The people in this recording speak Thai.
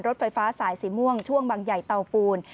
รถไฟฟ้าสายสีม่วงช่วงบางใหญ่เตาปูน